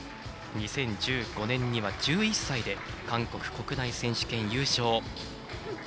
２０１５年には１１歳で韓国国内選手権、優勝。